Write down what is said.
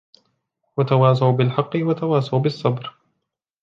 وَتَوَاصَوْا بِالْحَقِّ وَتَوَاصَوْا بِالصَّبْرِ